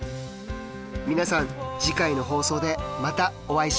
皆さん次回の放送でまたお会いしましょう！